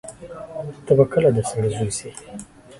ته به کله د سړی زوی سې.